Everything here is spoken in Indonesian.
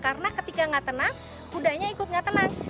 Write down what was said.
karena ketika nggak tenang kudanya ikut nggak tenang